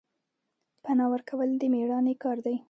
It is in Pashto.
پنا ورکول د میړانې کار دی